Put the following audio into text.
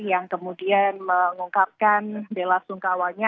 yang kemudian mengungkapkan bela sungkawanya